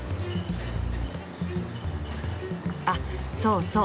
あっそうそう。